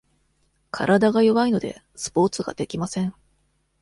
体が弱いので、スポーツができません。